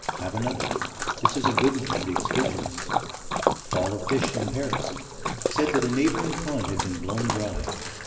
Have another: this is a good one for the exclusionists: Fall of fish in Paris: said that a neighboring pond had been blown dry.